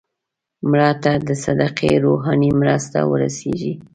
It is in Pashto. مړه ته د صدقې روحاني مرسته ورسېږي